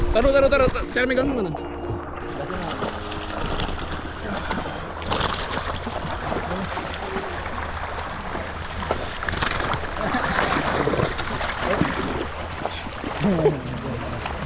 tunggu tunggu tunggu cara megang gimana